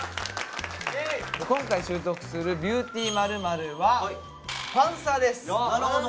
今回習得する「ビューティー○○」は「ファンサ」です。